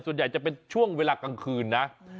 ส่วนใหญ่จะเป็นช่วงเวลากลางคืนนะ